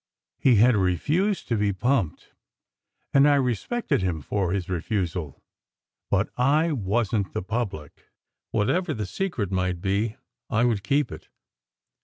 He had refused to be pumped, and I respected him for his refusal; but I wasn t the public. Whatever the secret might be, I would keep it.